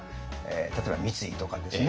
例えば三井とかですね。